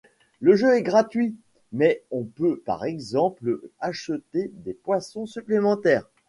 Le jeu est gratuit, mais on peut par exemple acheter des poissons supplémentaires.